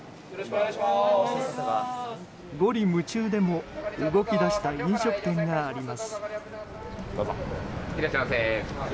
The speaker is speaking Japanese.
五里霧中でも動き出した飲食店があります。